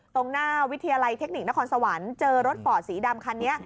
ตรงหน้าวิทยาลัยเทคนิคนครสวรรค์เจอรถฟอร์ดสีดำคันนี้